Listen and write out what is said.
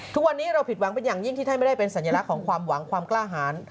ทุกวันนี้เราผิดหวังเป็นอย่างยิ่งที่ท่านไม่ได้เป็นสัญลักษณ์ของความหวังความกล้าหาร